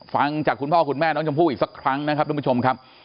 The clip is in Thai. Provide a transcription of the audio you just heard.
ฟังจากคุณพ่อคุณแม่น้องชมพู่อีกสักครั้งนะครับทุกผู้ชมครับ